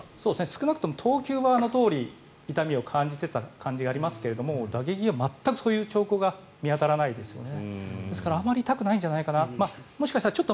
少なくとも投球はあのとおり痛みを感じていた感じがありますが打撃は全くそういう兆候が見当たらないですね。